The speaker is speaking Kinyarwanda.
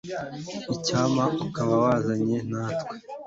Icyampa ukaba wazanye natwe